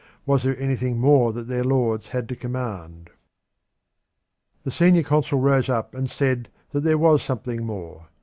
Was there anything more that their lords had to command? The senior consul rose up and said that there was something more.